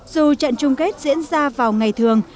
dù trận chung kết diễn ra vào ngày thường